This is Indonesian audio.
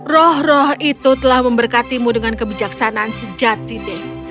roh roh itu telah memberkatimu dengan kebijaksanaan sejati d